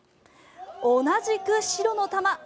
同じく白の球。